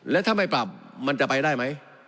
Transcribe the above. แล้วถ้าไม่ปรับมันจะไปได้ไหม